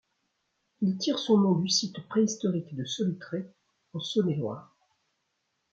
Il tire son nom du site préhistorique de Solutré, en Saône-et-Loire.